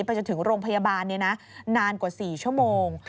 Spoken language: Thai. จนถึงโรงพยาบาลนานกว่า๔ชั่วโมง